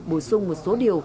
bổ sung một số điều